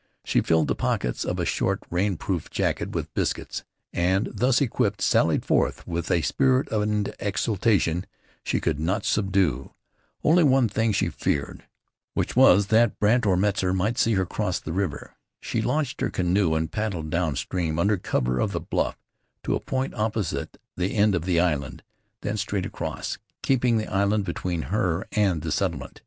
She filled the pockets of a short, rain proof jacket with biscuits, and, thus equipped, sallied forth with a spirit and exultation she could not subdue. Only one thing she feared, which was that Brandt or Metzar might see her cross the river. She launched her canoe and paddled down stream, under cover of the bluff, to a point opposite the end of the island, then straight across, keeping the island between her and the settlement.